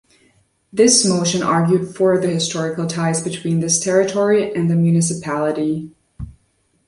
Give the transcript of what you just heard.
This motion argued for the historical ties between this territory and the municipality.